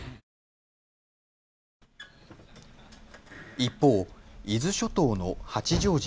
一方、伊豆諸島の八丈島。